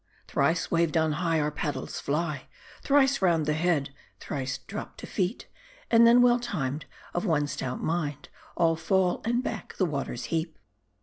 Thrice waved on high, Our paddles fly : Thrice round the head, thrice dropt to feet : And then well timed, 'Of one stout mind, All fall, and back the waters heap